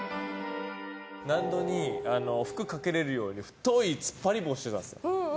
納戸に服かけれるように太い突っ張り棒してたんですよ。